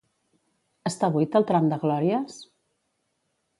Està buit el tram de Glòries?